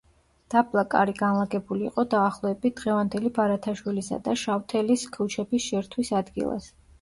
დაბლა კარი განლაგებული იყო დაახლოებით დღევანდელი ბარათაშვილისა და შავთელის ქუჩების შერთვის ადგილას.